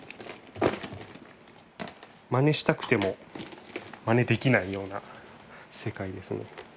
まねしたくてもまねできないような世界ですね。